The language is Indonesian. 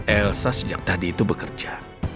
elsa sejak tadi itu bekerja